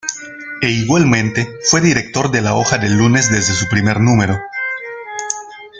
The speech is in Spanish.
E igualmente fue director de la Hoja del Lunes desde su primer número.